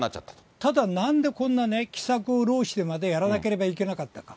ただ、なんで奇策をろうしてまでやらなければいけなかったか。